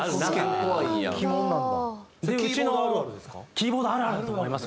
キーボードあるあるだと思います